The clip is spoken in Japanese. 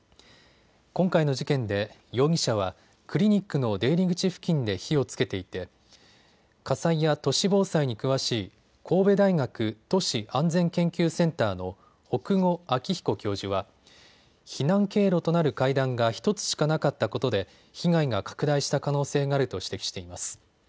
今回の事件で容疑者はクリニックの出入り口付近で火をつけていて火災や都市防災に詳しい神戸大学都市安全研究センターの北後明彦教授は避難経路となる階段が１つしかなかったことで被害が拡大した可能性があると指摘しています。